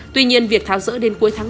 tuy nhiên việc tháo rỡ đến cuối tháng năm